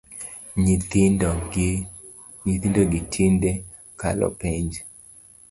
Nyithindo gi tinde kalo penj